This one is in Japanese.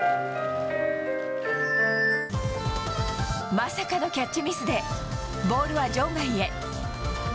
まさかのキャッチミスでボールは場外へ。